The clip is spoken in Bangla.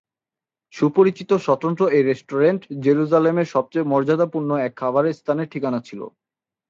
সুপরিচিত, স্বতন্ত্র এই রেস্টুরেন্ট জেরুসালেমের সবচেয়ে মর্যাদাপূর্ণ এক খাবারের স্থানের ঠিকানা ছিল।